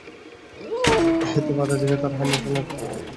এতে বাধা দিলে তাঁরা হামলা চালান এবং একপর্যায়ে দুপক্ষের মধ্যে সংঘর্ষ বাধে।